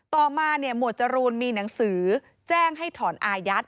ต่อมาหมวดจรูนมีหนังสือแจ้งให้ถอนอายัด